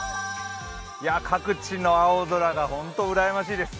各地の青空が本当、うらやましいです。